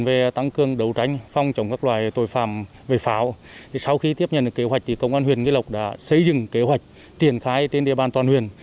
để tăng cường đấu tranh phong trọng các loài tội phạm về pháo sau khi tiếp nhận kế hoạch công an nghệ an đã xây dựng kế hoạch triển khai trên địa bàn toàn huyền